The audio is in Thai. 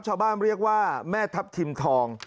ชาวบ้านเรียกว่าแม่ทัพทิมทอง